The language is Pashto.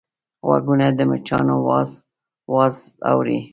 غوږونه د مچانو واز واز اوري